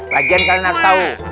lagian kalian harus tahu